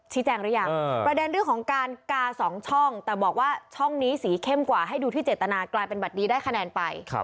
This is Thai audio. แจ้งหรือยังประเด็นเรื่องของการกา๒ช่องแต่บอกว่าช่องนี้สีเข้มกว่าให้ดูที่เจตนากลายเป็นบัตรดีได้คะแนนไป